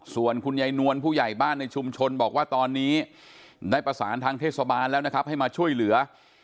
ส่วนคุณยายนวลผู้ใหญ่บ้านในชุมชนบอกว่าตอนนี้ได้ประสานทางเทศบาลแล้วนะครับให้มาช่วยเหลือ